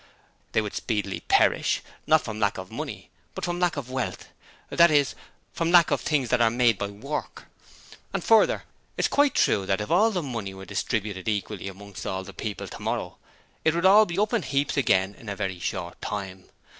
They would speedily perish, not from lack of money, but from lack of wealth that is, from lack of things that are made by work. And further, it is quite true that if all the money were distributed equally amongst all the people tomorrow, it would all be up in heaps again in a very short time.